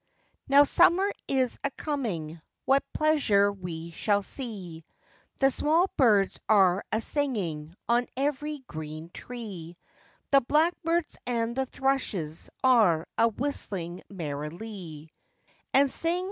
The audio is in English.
Now summer it is coming,—what pleasure we shall see; The small birds are a singing on every green tree, The blackbirds and the thrushes are a whistling merrilie.